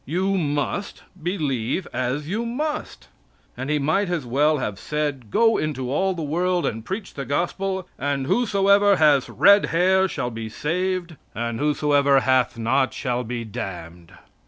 You must believe as you must. And He might as well have said: "Go into all the world and preach the gospel, and whosoever has red hair shall be saved, and whosoever hath not shall be damned."